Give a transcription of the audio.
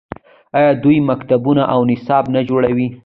آیا دوی مکتبونه او نصاب نه جوړوي؟